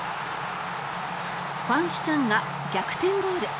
ファン・ヒチャンが逆転ゴール。